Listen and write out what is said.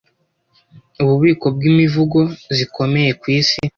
Ububiko bw'Imivugo zikomeye ku Isi